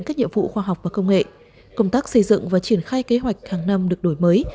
các nhiệm vụ khoa học và công nghệ công tác xây dựng và triển khai kế hoạch hàng năm được đổi mới